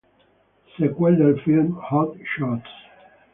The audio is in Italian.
Sequel del film "Hot Shots!